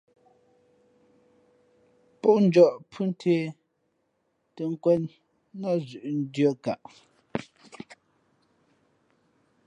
Pó njᾱʼ phʉ́ ntē tᾱ nkwēn nά zʉ̌ʼ ndʉ̄αkaʼ.